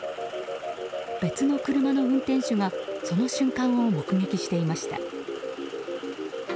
別の車の運転手がその瞬間を目撃していました。